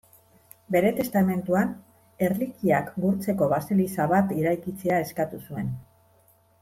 Bere testamentuan, erlikiak gurtzeko baseliza bat eraikitzea eskatu zuen.